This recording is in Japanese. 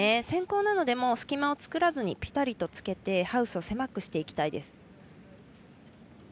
先攻なのでピタリとつけてハウスを狭くしていきたいです。